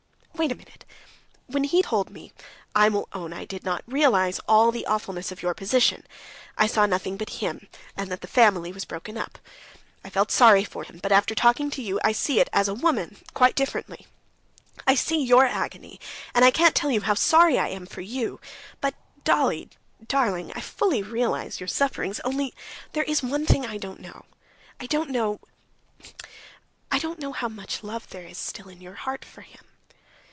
"Wait a minute. When he told me, I will own I did not realize all the awfulness of your position. I saw nothing but him, and that the family was broken up. I felt sorry for him, but after talking to you, I see it, as a woman, quite differently. I see your agony, and I can't tell you how sorry I am for you! But, Dolly, darling, I fully realize your sufferings, only there is one thing I don't know; I don't know ... I don't know how much love there is still in your heart for him.